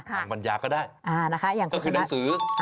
ทางปัญญาก็ได้ก็คือหนังสือ